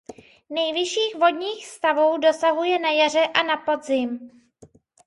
Nejvyšších vodních stavů dosahuje na jaře a na podzim.